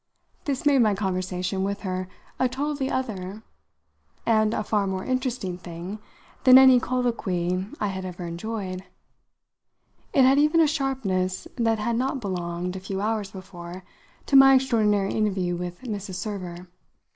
This made my conversation with her a totally other and a far more interesting thing than any colloquy I had ever enjoyed; it had even a sharpness that had not belonged, a few hours before, to my extraordinary interview with Mrs. Server.